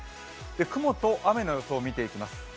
雲と雨の予想を見ていきます。